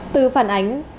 từ phản ánh về